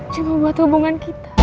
cuma buat hubungan kita